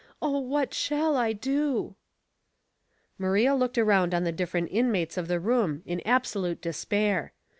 Oh, what shall I do ?" Maria looked around on the different inmates of the room in absolute despair.